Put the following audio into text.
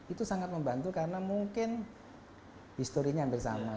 itu sangat membantu karena mungkin historinya hampir sama